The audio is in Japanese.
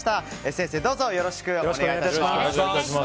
先生、どうぞよろしくお願いいたします。